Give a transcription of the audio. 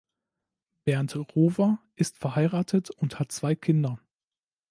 Bernd Rohwer ist verheiratet und hat zwei Kinder.